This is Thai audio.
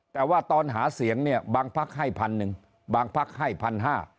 แต่ว่าตอนหาเสียงเนี่ยบางพักให้พันหนึ่งบางพักให้พันห้า